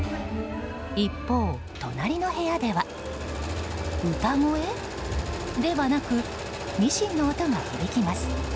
一方、隣の部屋では歌声ではなくミシンの音が響きます。